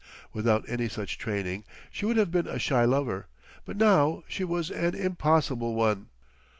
Without any such training she would have been a shy lover, but now she was an impossible one.